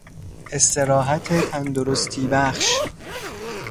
استراحت تندرستیبخش